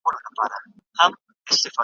پټ یې څنګ ته ورنیژدې سو غلی غلی `